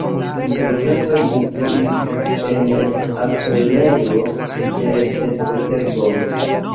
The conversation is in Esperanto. Intertempe li instruis en altlernejo de Esztergom.